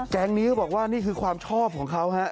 นี้ก็บอกว่านี่คือความชอบของเขาฮะ